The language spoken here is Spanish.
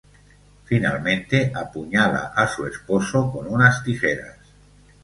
Finalmente apuñala a su esposo con unas tijeras.